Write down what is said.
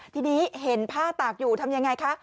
ทีนี้เห็นผ้าตากอยู่ทำยังไงคะ